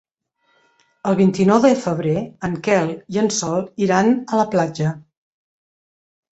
El vint-i-nou de febrer en Quel i en Sol iran a la platja.